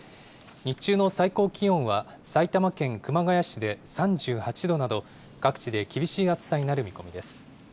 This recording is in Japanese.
日中の最高気温は、埼玉県熊谷市で３８度など、各地で厳しい暑さになる見込みです。